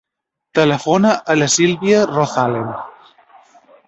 Telefona a la Sílvia Rozalen.